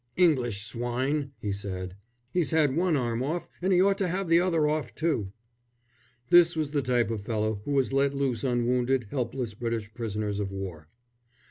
"English swine!" he said. "He's had one arm off, and he ought to have the other off, too!" This was the type of fellow who was let loose on wounded helpless British prisoners of war.